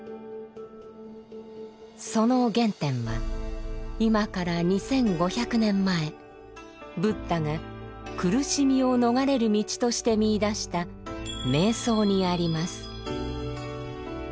その原点は今から２，５００年前ブッダが「苦しみを逃れる道」として見いだした「瞑想」にあります。